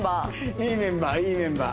いいメンバーいいメンバー。